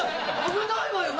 危ないわよ。